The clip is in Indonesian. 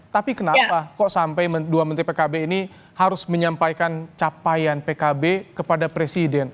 tapi kenapa kok sampai dua menteri pkb ini harus menyampaikan capaian pkb kepada presiden